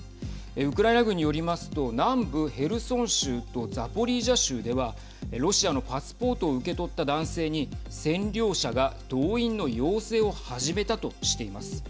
ウクライナ軍によりますと南部ヘルソン州とザポリージャ州ではロシアのパスポートを受け取った男性に占領者が動員の要請を始めたとしています。